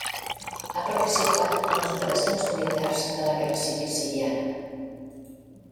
Ha participat en les operacions militars de la Guerra civil siriana.